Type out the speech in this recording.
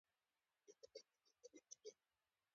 په ناره کې په لوی لاس سکته راولو.